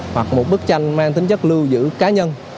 hoặc một bức tranh mang tính chất lưu giữ cá nhân